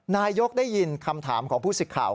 นายกได้ยินคำถามของผู้สิทธิ์ข่าว